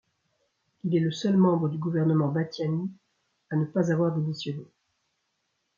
Il est le seul membre du gouvernement Batthyány à ne pas avoir démissionné.